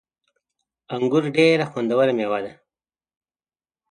انګور ډیره خوندوره میوه ده